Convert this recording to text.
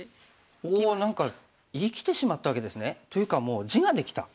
何か生きてしまったわけですね。というかもう地ができた。